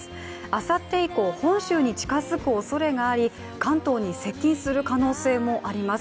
あさって以降、本州に近づくおそれがあり関東に接近する可能性もあります。